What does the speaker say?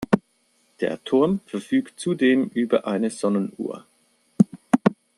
Der Turm verfügt zudem über eine Sonnenuhr.